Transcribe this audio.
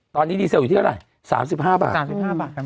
ตอนนี้ดีเซลอยู่ที่อะไรสามสิบห้าบาทสามสิบห้าบาท